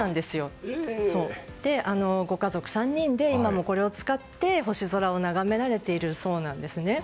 ご家族３人で今もこれを使って星空を眺められているそうなんです。